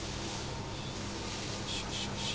よしよしよし。